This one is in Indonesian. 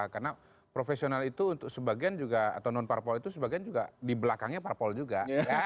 karena profesional itu untuk sebagian juga atau non parpol itu sebagian juga di belakangnya parpol juga